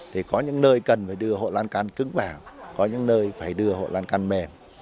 thì có những nơi cần phải đưa hộ lan can cứng vào có những nơi phải đưa hộ lan can mềm